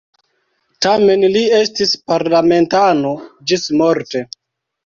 Tamen li estis parlamentano ĝismorte.